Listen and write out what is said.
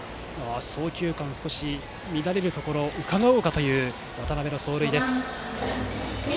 送球間、少し乱れるところをうかがおうかという渡邊の走塁です。